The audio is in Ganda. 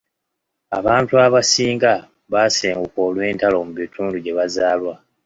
Abantu abasinga baasenguka olw'entalo mu bitundu gye bazaalwa.